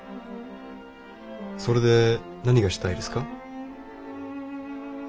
それで何がしたいですか？